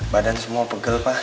badan semua pegel pa